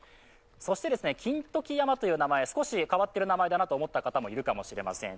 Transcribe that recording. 金時山という名前、少し変わった名前だなと思った方もいるかもしれません。